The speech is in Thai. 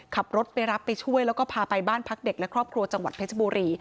ขับรถไปรับไปช่วยแล้วก็พาไปบ้านพักเด็กและครอบครัวจังหวัดเพชรบุรี